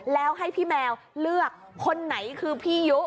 แล้วให้พี่แมวเลือกคนไหนคือพี่ยุ